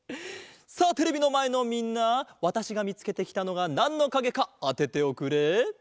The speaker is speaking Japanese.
さあテレビのまえのみんなわたしがみつけてきたのがなんのかげかあてておくれ。